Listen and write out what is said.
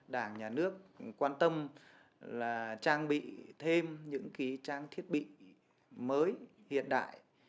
đảng nhà nước quan tâm là trang bị thêm những trang thiết bị mới hiện đại